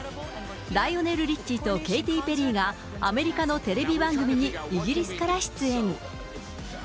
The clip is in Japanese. ライオネル・リッチーとケイティ・ペリーがアメリカのテレビ番組にイギリスから出演。